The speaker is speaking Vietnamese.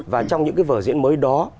và trong những cái vở diễn mới đó